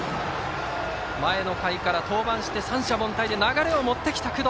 前の回から登板して三者凡退で流れを持ってきた工藤。